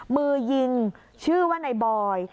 มือยิงชื่อว่านายบอย